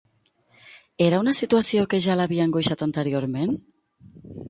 Era una situació que ja l'havia angoixat anteriorment?